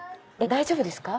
大丈夫ですか？